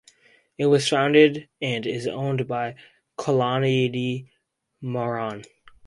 It was founded and is owned by Kalanidhi Maran.